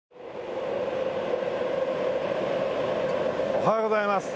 おはようございます。